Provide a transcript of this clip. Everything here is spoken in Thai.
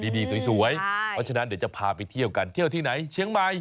สวยเพราะฉะนั้นเดี๋ยวจะพาไปเที่ยวกันเที่ยวที่ไหนเชียงใหม่